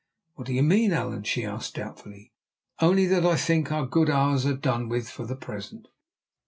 "What do you mean, Allan?" she asked doubtfully. "Only that I think our good hours are done with for the present."